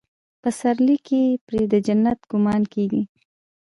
پسرلي کې پرې د جنت ګمان کېږي.